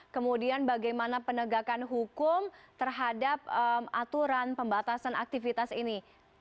kemudian bagaimana penegakan hukum terhadap aturan pembatasan aktivitas ini